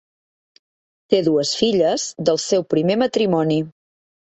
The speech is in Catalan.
Té dues filles del seu primer matrimoni.